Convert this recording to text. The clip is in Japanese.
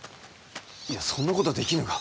いやそんなことはできぬが。